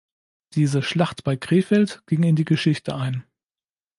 Diese "Schlacht bei Krefeld" ging in die Geschichte ein.